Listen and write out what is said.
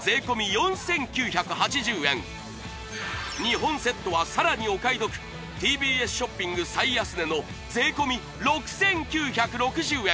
４９８０円２本セットはさらにお買い得ＴＢＳショッピング最安値の税込６９６０円